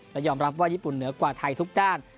และยอมรับว่าญี่ปุ่นเหนือกว่าไทยทุกด้าน